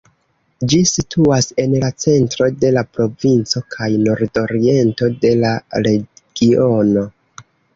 Ĝi situas en la centro de la provinco kaj nordoriento de la regiono.